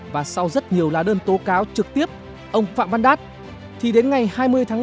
và sau rất nhiều lá đơn tố cáo trực tiếp ông phạm văn đát thì đến ngày hai mươi tháng một mươi năm hai nghìn hai mươi